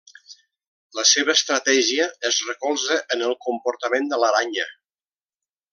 La seva estratègia es recolza en el comportament de l'aranya.